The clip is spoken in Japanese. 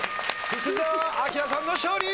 福澤朗さんの勝利！